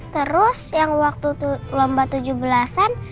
terus yang waktu lomba tujuh belasan